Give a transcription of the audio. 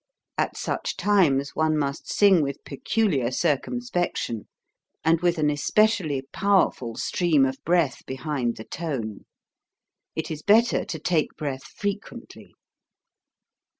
At such times one must sing with peculiar circumspection, and with an especially powerful stream of breath behind the tone : it is better to take breath frequently.